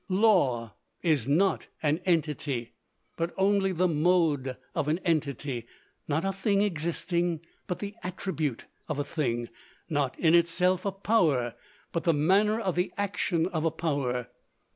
Law is not an entity, but only the mode of an entity; not a thing existing, but the attribute of a thing; not in itself a power, but the manner of the action of a power.